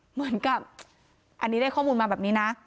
เหมือนกับอันนี้ได้ข้อมูลมาแบบนี้นะ